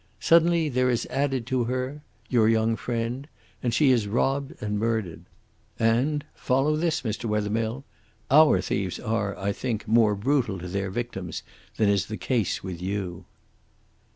Suddenly there is added to her your young friend, and she is robbed and murdered. And, follow this, M. Wethermill, our thieves are, I think, more brutal to their victims than is the case with you."